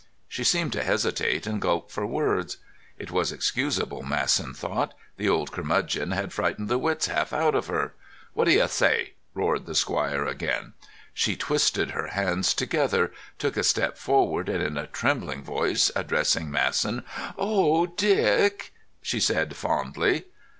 She seemed to hesitate and gulp for words. It was excusable, Masson thought. The old curmudgeon had frightened the wits half out of her. "What do you say?" roared the squire, again. She twisted her hands together, took a step forward, and, in a trembling voice, addressing Masson: "Oh, Dick!" she said fondly.